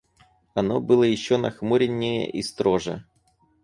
Оно было еще нахмуреннее и строже.